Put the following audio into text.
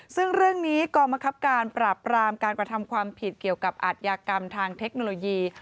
ซึ่งเรื่องนี้กองบังคับการปราบรามการกระทำความผิดเกี่ยวกับอาทยากรรมทางเทคโนโลยี